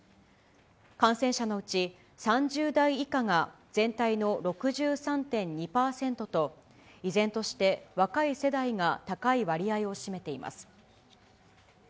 感染者のうち、３０代以下が全体の６３．２％と、依然として、若い世代が高い割合を占めています。